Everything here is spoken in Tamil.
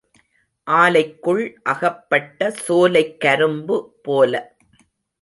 ஆலைக்குள் அகப்பட்ட சோலைக் கரும்பு போல.